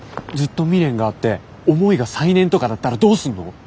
ずっと未練があって思いが再燃とかだったらどうすんの？